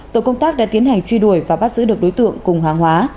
tổ công tác đã tiến hành truy đuổi và bắt giữ được đối tượng cùng hàng hóa